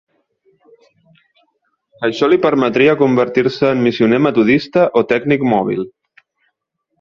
Això li permetria convertir-se en missioner metodista o tècnic mòbil.